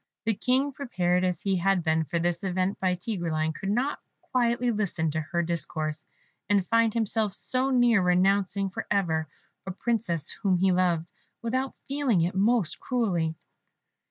The King, prepared as he had been for this event by Tigreline, could not quietly listen to her discourse, and find himself so near renouncing for ever a Princess whom he loved, without feeling it most cruelly.